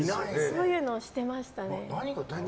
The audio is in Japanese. そういうのをしていましたね。